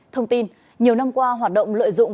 thông tin nhiều năm qua hoạt động lợi dụng